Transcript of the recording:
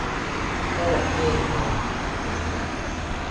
โคตรเท่เลย